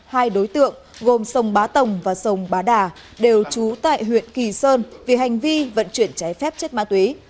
hai đối tượng gồm sông bá tồng và sông bá đà đều trú tại huyện kỳ sơn vì hành vi vận chuyển trái phép chất ma túy